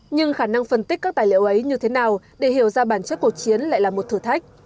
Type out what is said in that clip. nhưng khả năng phân tích các tài liệu ấy như thế nào để hiểu ra bản chất cuộc chiến lại là một thử thách